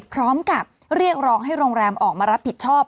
พร้อมกับเรียกร้องให้โรงแรมออกมารับผิดชอบ